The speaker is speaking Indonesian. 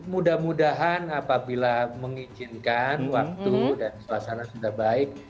mudah mudahan apabila mengizinkan waktu dan suasana sudah baik